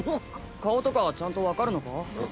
顔とかちゃんと分かるのか？